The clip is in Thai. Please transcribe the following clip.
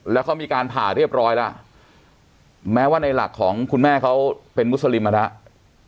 แล้วเขามีการผ่าเรียบร้อยแล้วแม้ว่าในหลักของคุณแม่เขาเป็นมุสลิมมาแล้ว